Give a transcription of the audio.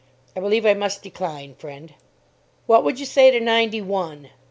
I believe I must decline, friend." "What would you say to ninety one?"